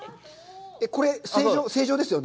これ、正常ですよね？